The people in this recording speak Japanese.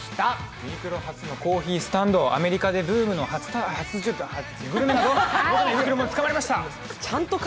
ユニクロ初のコーヒースタンド、アメリカでブームの初上陸グルメ、胃袋をつかまれました。